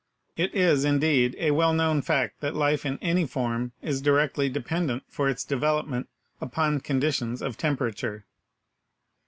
It is, indeed, a well known fact that life in any form is directly dependent for its development upon con ditions of temperature.